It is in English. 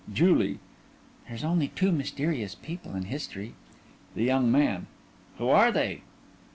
JULIE: There's only two mysterious people in history. THE YOUNG MAN: Who are they?